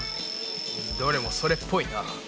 どれもそれっぽいな。